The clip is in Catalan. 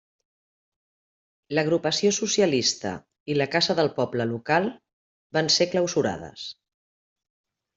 L'agrupació socialista i la Casa del Poble local van ser clausurades.